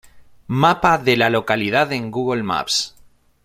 Mapa de la localidad en Google Maps